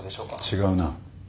違うな。